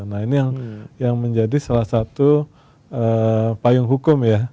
nah ini yang menjadi salah satu payung hukum ya